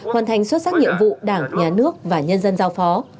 hoàn thành xuất sắc nhiệm vụ đảng nhà nước và nhân dân giao phó